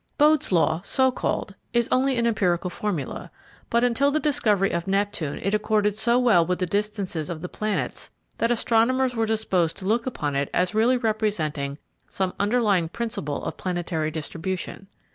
Bode's Law, so called, is only an empiric formula, but until the discovery of Neptune it accorded so well with the distances of the planets that astronomers were disposed to look upon it as really representing some underlying principle of planetary distribution.